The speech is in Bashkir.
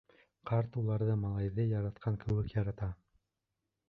Ҡарт уларҙы малайҙы яратҡан кеүек ярата.